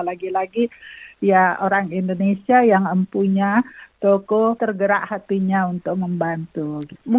lagi lagi ya orang indonesia yang punya toko tergerak hatinya untuk membantu